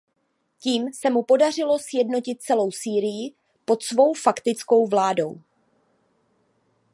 Tím se mu podařilo sjednotit celou Sýrii pod svou faktickou vládou.